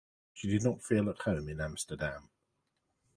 She did not feel at home in Amsterdam.